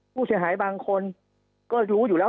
ผู้เสียหายบางคนก็รู้อยู่แล้ว